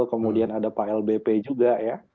kemudian ada pak lbp juga ya